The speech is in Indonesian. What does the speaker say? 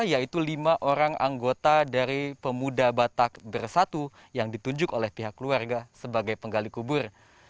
yaitu lima orang anggota dari pemuda batak bersatu yang ditunjuk oleh pihak keluarga sebagai penggali kubur